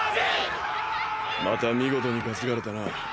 また見事に担がれたな。